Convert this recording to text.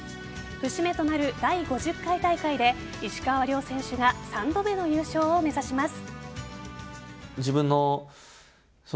節目となる第５０回大会で石川遼選手が３度目の優勝を目指します。